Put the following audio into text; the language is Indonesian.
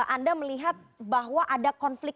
anda melihat bahwa ada konflik